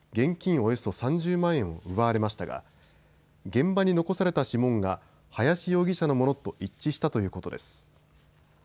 およそ３０万円を奪われましたが現場に残された指紋が林容疑者のものと一致したということです。